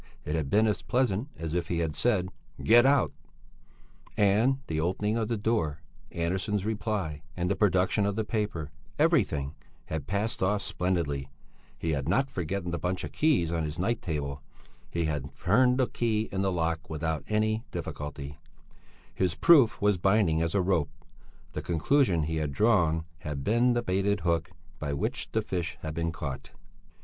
It had been as pleasant as if he had said "Get out!" And the opening of the door, Andersson's reply, and the production of the paper, everything had passed off splendidly; he had not forgotten the bunch of keys on his night table; he had turned the key in the lock without any difficulty; his proof was binding as a rope, the conclusion he had drawn had been the baited hook by which the fish had been caught.